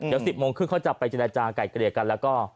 เดี๋ยว๑๐โมงครึ่งเขาจะไปจรรยาจาไก่กระเดียกันแล้วก็